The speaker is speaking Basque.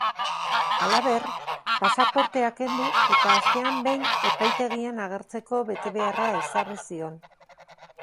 Halaber, pasaportea kendu eta astean behin epaitegian agertzeko betebeharra ezarri zion.